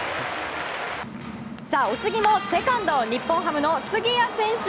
お次もセカンド日本ハムの杉谷選手